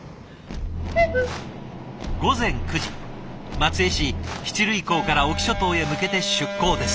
松江市七類港から隠岐諸島へ向けて出港です。